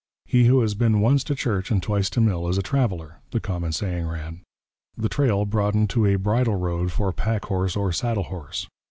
'He who has been once to church and twice to mill is a traveller,' the common saying ran. The trail broadened to a bridle road for pack horse or saddle horse.